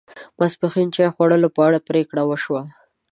ماپښین چای خوړلو په اړه پرېکړه و شوه.